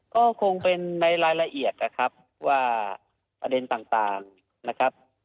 ก็คงเป็นในรายละเอียดนะครับว่าประเด็นต่างนะครับ